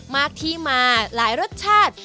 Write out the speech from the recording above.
มากที่มาหลายรสชาติ